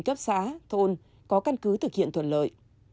cấp xã thôn có căn cứ thực hiện thuận lợi